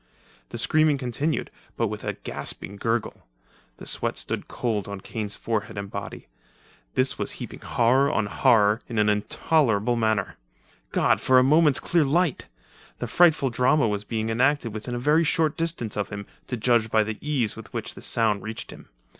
The screaming continued, but with a gasping gurgle. The sweat stood cold on Kane's forehead and body. This was heaping horror on horror in an intolerable manner. God, for a moment's clear light! The frightful drama was being enacted within a very short distance of him, to judge by the ease with which the sounds reached him.